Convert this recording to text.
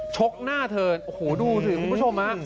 ชกหน้าเธอโอโธดูแต่คุณผู้ชม